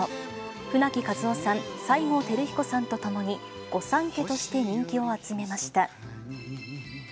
舟木一夫さん、西郷輝彦さんと共に、御三家として人気を集めました。